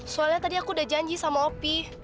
soalnya tadi aku udah janji sama opi